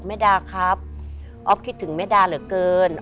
แม่ดาครับอ๊อฟคิดถึงแม่ดาเหลือเกิน